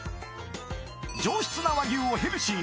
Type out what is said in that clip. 上質な和牛をヘルシーに！